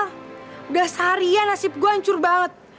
sudah seharian nasib gue hancur banget